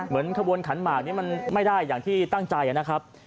ขบวนขันหมากนี้มันไม่ได้อย่างที่ตั้งใจนะครับ